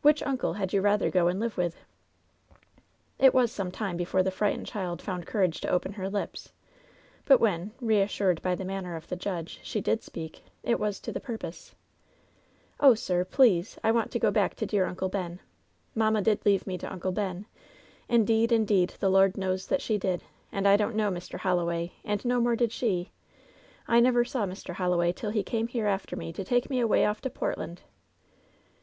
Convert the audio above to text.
Which uncle had you rather go and live with V "It was some time before the frightened child found courage to open her lips, but when, reassured by the manner of the judge, die did speak, it was to the pur pose. " ^Oh, sir, please, I want to go back to dear Uncle Ben ! Mamma did leave me to Uncle Ben ; indeed, in deed, the Lord knows that she did ! And I don't know Mr. Holloway! And no more did she! I never saw Mr. Holloway till he came here after me to take me away off to Portland.'